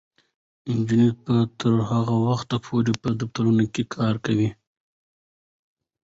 نجونې به تر هغه وخته پورې په دفترونو کې کار کوي.